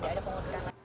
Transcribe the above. tidak ada pengobatan lagi